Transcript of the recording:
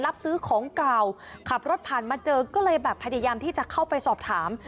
รับซื้อของเก่าขับรถผ่านมาเจอก็เลยแบบพยายามที่จะเข้าไปสอบถาม